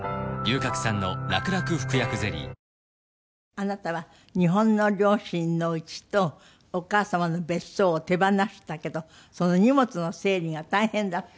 あなたは日本の両親の家とお母様の別荘を手放したけどその荷物の整理が大変だった？